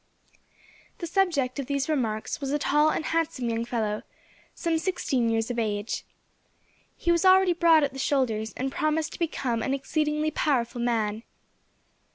The subject of these remarks was a tall and handsome young fellow, some sixteen years of age. He was already broad at the shoulders, and promised to become an exceedingly powerful man.